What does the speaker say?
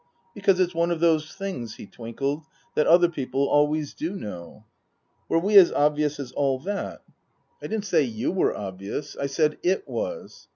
" Because it's one of those things " (he twinkled) " that other people always do know." " Were we as obvious as all that ?" n* 164 Tasker Jevons " I didn't say you were obvious. I said It was."